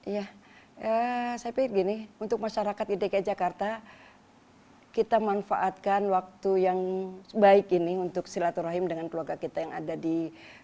ya saya pikir gini untuk masyarakat di dki jakarta kita manfaatkan waktu yang baik ini untuk silaturahim dengan keluarga kita yang ada di